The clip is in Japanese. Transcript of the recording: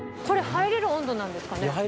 これ入れる温度なんですかね？